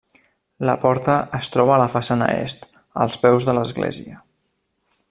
La porta es troba a la façana est, als peus de l'església.